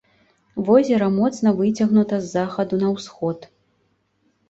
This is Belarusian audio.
Возера моцна выцягнута з захаду на ўсход.